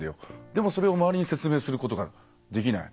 でも、それを周りに説明することができない。